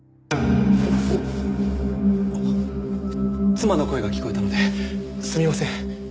妻の声が聞こえたのですみません。